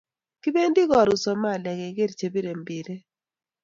Kipendi karun Somalia keker che bire mpiret